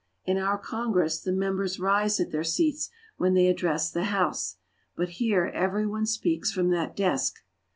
In our Congress the members rise at their seats when they address the House, but here every one speaks from that desk.